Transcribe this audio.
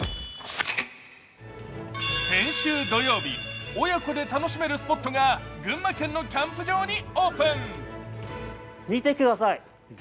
先週土曜日、親子で楽しめるスポットが群馬県のキャンプ場にオープン。